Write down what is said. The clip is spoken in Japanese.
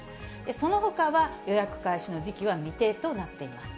そのほかは予約開始の時期は未定となっています。